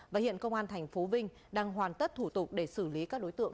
và hiện công an tp vinh đang hoàn tất thủ tục để xử lý các đối tượng